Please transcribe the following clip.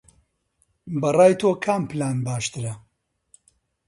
بە ڕای تۆ کام پلان باشترە؟